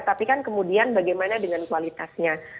tapi kan kemudian bagaimana dengan kualitasnya